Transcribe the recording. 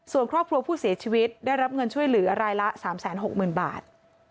ส่วนครอบครัวผู้เสียชีวิตได้รับเงินช่วยเหลือรายละ๓๖๐๐๐บาท